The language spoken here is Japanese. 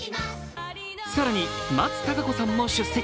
更に松たか子さんも出席。